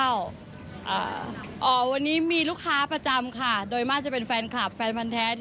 วันนี้มีลูกค้าประจำค่ะโดยมากจะเป็นแฟนคลับแฟนพันธ์แท้